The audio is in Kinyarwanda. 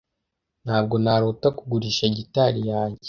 Ntabwo narota kugurisha gitari yanjye